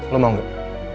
lo mau gak